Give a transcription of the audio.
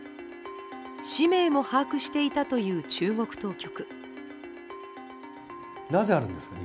氏名も把握していたという中国当局。